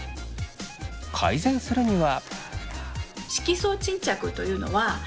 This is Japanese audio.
改善するには。